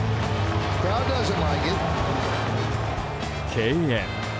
敬遠。